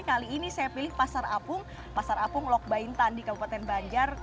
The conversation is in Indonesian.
kali ini saya pilih pasar apung pasar apung lok baintan di kabupaten banjar